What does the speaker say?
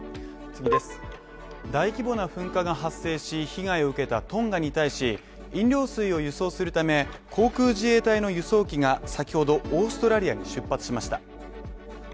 大規模な噴火が発生し被害を受けたトンガに対し、飲料水を輸送するため、航空自衛隊の輸送機が、先ほど、オーストラリアに出発しました。